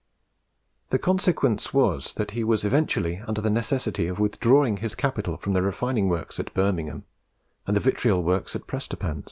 The consequence was, that he was eventually under the necessity of withdrawing his capital from the refining works at Birmingham, and the vitriol works at Prestonpans.